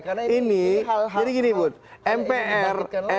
karena ini hal hal yang ingin dibangkitkan lagi